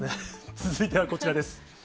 続いてはこちらです。